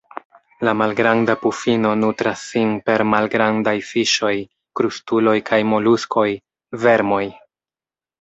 La Malgranda pufino nutras sin per malgrandaj fiŝoj, krustuloj kaj moluskoj, vermoj.